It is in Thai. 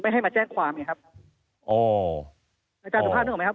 ไม่ให้มาแจ้งความเนี่ยครับ